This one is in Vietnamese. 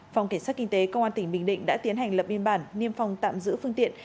phòng cảnh sát kinh tế công an tỉnh bình định đã tiến hành lập biên bản niêm phòng tạm giữ phương tiện